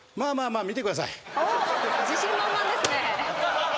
自信満々ですね。